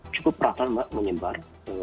cukup perata mbak menyebar